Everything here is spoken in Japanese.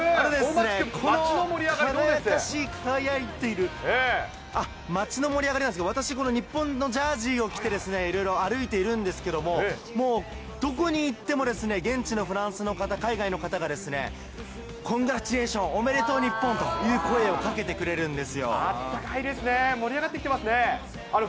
この輝かしい、輝いている、街の盛り上がりは、私、この日本のジャージーを着てですね、いろいろ歩いているんですけれども、もうどこに行っても、現地のフランスの方、海外の方が、コングラッチュレーション、おめでとう、日本という声をかけいいですね、盛り上がってきてますね。